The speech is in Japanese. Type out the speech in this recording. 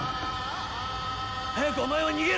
早くお前は逃げろ！